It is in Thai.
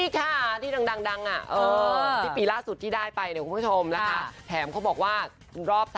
ใช่นั่นปีนี้คุณบูตโกเขาครบ